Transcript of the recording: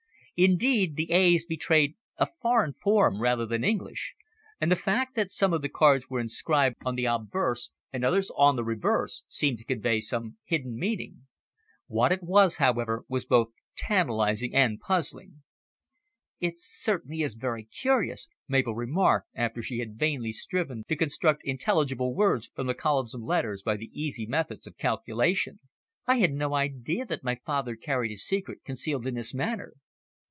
Indeed the A's betrayed a foreign form rather than English, and the fact that some of the cards were inscribed on the obverse and others on the reverse seemed to convey some hidden meaning. What it was, however, was both tantalising and puzzling. "It certainly is very curious," Mabel remarked after she had vainly striven to construct intelligible words from the columns of letters by the easy methods of calculation. "I had no idea that my father carried his secret concealed in this manner."